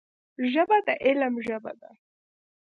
ژبه د علم ژبه ده